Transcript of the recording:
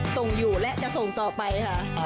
ส่งอยู่และจะส่งต่อไปค่ะ